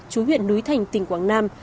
chú huyện núi thành tỉnh quảng nam